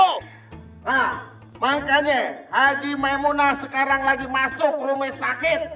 hah makanya haji maemunah sekarang lagi masuk rumesakit